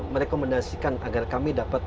merekomendasikan agar kami dapat